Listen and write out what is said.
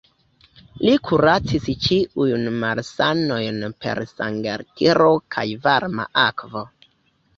Li kuracis ĉiujn malsanojn per sangeltiro kaj varma akvo.